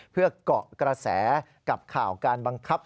เพื่อเกาะกระแสกับข่าวการบังคับ